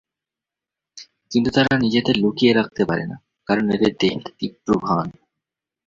কিন্তু তারা নিজেদের লুকিয়ে রাখতে পারে না, কারণ এদের দেহের তীব্র ঘ্রাণ।